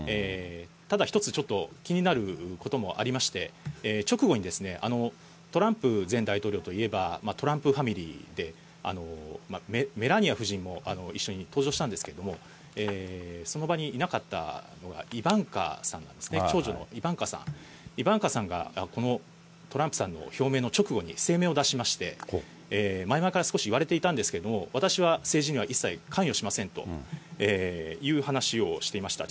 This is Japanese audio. ただ一つ、ちょっと気になることもありまして、直後にですね、トランプ前大統領といえば、トランプファミリーで、メラニア夫人も一緒に登場したんですけども、その場にいなかったのがイバンカさんなんですね、長女のイバンカさん、イバンカさんがこのトランプさんの表明の直後に声明を出しまして、前々から少し言われていたんですけれども、私は政治には一切関与しませんという話をしていました。